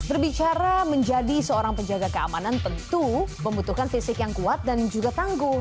berbicara menjadi seorang penjaga keamanan tentu membutuhkan fisik yang kuat dan juga tangguh